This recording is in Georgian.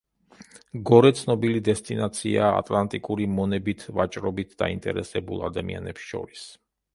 გორე ცნობილი დესტინაციაა ატლანტიკური მონებით ვაჭრობით დაინტერესებულ ადამიანებს შორის.